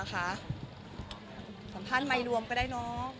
ที่ได้ต่อสัญญาเรื่อย